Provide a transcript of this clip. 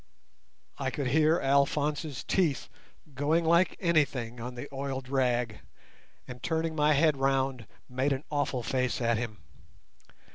I could hear Alphonse's teeth going like anything on the oiled rag, and turning my head round made an awful face at him.